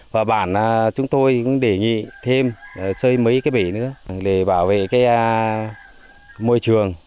và bản chúng tôi cũng đề nghị thêm xây mấy cái bể nữa để bảo vệ cái môi trường